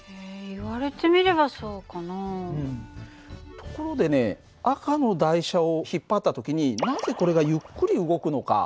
ところでね赤の台車を引っ張った時になぜこれがゆっくり動くのか。